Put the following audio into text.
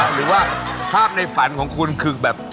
หรือว่าภาพในฝันของคุณคือแบบ